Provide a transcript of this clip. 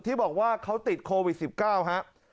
ที่บอกว่าเขาติดโควิด๑๙ครับ